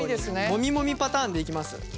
モミモミパターンでいきます。